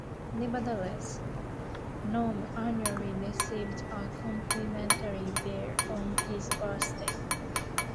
Nevertheless, Norm annually received a complimentary beer on his birthday.